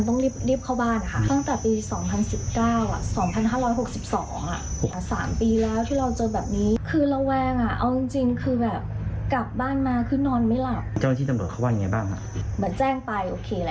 แต่ครั้งนี้เนี่ยคดีมันไม่คืบหน้าเหตุมันยังไม่เกิดอะไรอย่างเงี้ย